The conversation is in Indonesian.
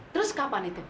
terus kapan itu